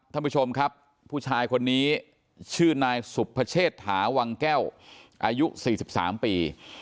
ท่านผู้ชมครับผู้ชายคนนี้ชื่อนายสุภเชษฐาวังแก้วอายุ๔๓ปี